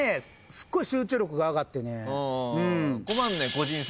すっごい集中力が上がってね。